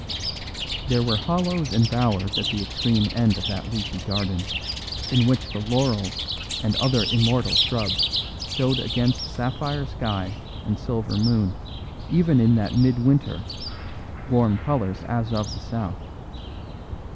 There were hollows and bowers at the extreme end of that leafy garden, in which the laurels and other immortal shrubs showed against sapphire sky and silver moon, even in that midwinter, warm colours as of the south.